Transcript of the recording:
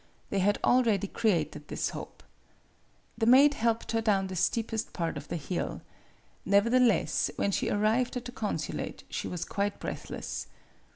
They had al ready created this hope. The maid helped her down the steepest part of the hill. Nevertheless, when she arrived at the consulate she was quite breath less.